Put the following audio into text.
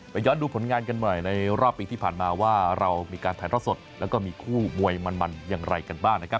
ย้อนดูผลงานกันหน่อยในรอบปีที่ผ่านมาว่าเรามีการถ่ายทอดสดแล้วก็มีคู่มวยมันอย่างไรกันบ้างนะครับ